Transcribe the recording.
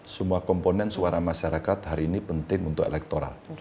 semua komponen suara masyarakat hari ini penting untuk elektoral